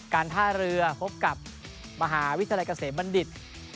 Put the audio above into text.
การท่าเรือพบกับมหาวิทยาลัยเกษมบัณฑิต